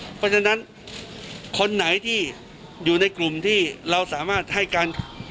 เพราะฉะนั้นคนไหนที่อยู่ในกลุ่มที่เราสามารถให้การ